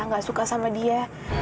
nggak suka sama dia